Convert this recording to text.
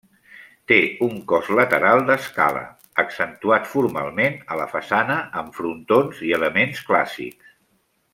Té un cos lateral d'escala, accentuat formalment a la façana, amb frontons i elements clàssics.